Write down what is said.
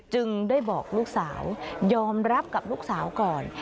จึงได้บอกลูกสาวยอมรับกับลูกสาวก่อน